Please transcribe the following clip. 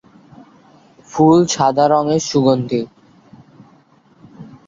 ফুল সাদা রঙের সুগন্ধি।